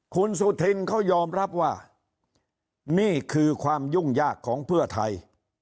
คุณสุธินเขายอมรับว่านี่คือความยุ่งยากของเพื่อไทย